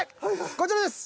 こちらです。